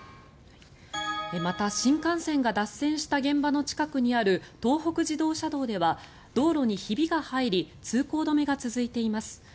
また、新幹線が脱線した現場の近くにある東北自動車道では道路にひびが入り通行止めが続いています。